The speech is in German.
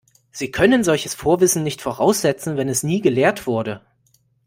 Sie können solches Vorwissen nicht voraussetzen, wenn es nie gelehrt wurde.